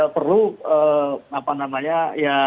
perlu apa namanya ya